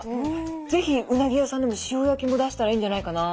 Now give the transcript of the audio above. ぜひうなぎ屋さんでも塩焼きも出したらいいんじゃないかな。